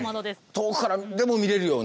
遠くからでも見れるように。